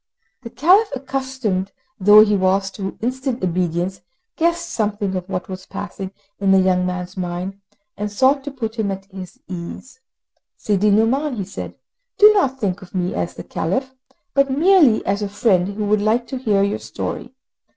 The Caliph, accustomed though he was to instant obedience, guessed something of what was passing in the young man's mind, and sought to put him at his ease. "Sidi Nouman," he said, "do not think of me as the Caliph, but merely as a friend who would like to hear your story.